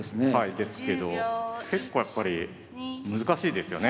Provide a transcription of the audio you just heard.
ですけど結構やっぱり難しいですよね